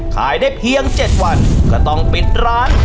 ขายได้เพียง๗วันก็ต้องปิดร้าน